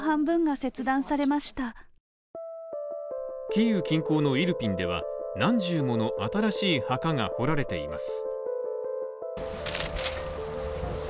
キーウ近郊のイルピンでは何十もの新しい墓が掘られています。